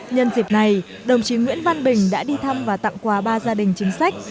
nhân dịp này đồng chí nguyễn văn bình đã đi thăm và tặng quà ba gia đình chính sách